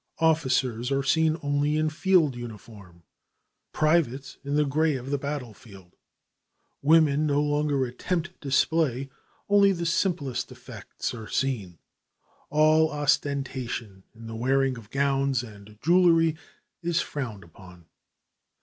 Officers are seen only in field uniform, privates in the gray of the battle field. Women no longer attempt display, only the simplest effects are seen. All ostentation in the wearing of gowns and jewelry is frowned upon.